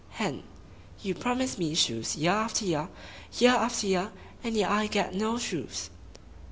Hen —You promise me shoes year after year, year after year, and yet I get no shoes!